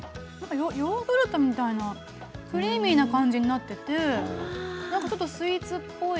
ヨーグルトみたいなクリーミーな感じになっていてちょっとスイーツっぽい。